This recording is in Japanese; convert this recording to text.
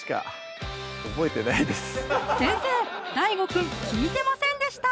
ＤＡＩＧＯくん聞いてませんでした